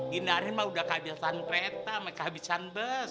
gini hari mah udah kehabisan kereta sama kehabisan bus